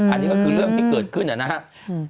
อันนี้ก็คือเรื่องที่เกิดขึ้นนะครับ